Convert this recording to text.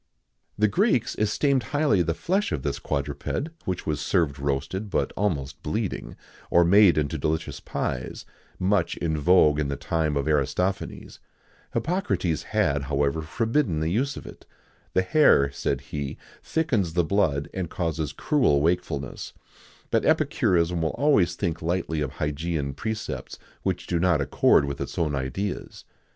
The Greeks esteemed highly the flesh of this quadruped, which was served roasted, but almost bleeding,[XIX 93] or made into delicious pies,[XIX 94] much in vogue in the time of Aristophanes.[XIX 95] Hippocrates had, however, forbidden the use of it. "The hare," said he, "thickens the blood, and causes cruel wakefulness;"[XIX 96] but epicurism will always think lightly of Hygeian precepts which do not accord with its own ideas.